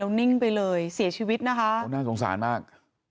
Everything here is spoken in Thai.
นิ่งไปเลยเสียชีวิตนะคะโอ้น่าสงสารมาก